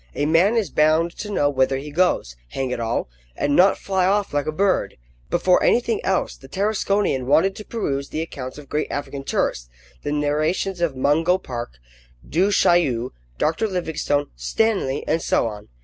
A man is bound to know whither he goes, hang it all! and not fly off like a bird. Before anything else, the Tarasconian wanted to peruse the accounts of great African tourists, the narrations of Mungo Park, Du Chaillu, Dr. Livingstone, Stanley, and so on.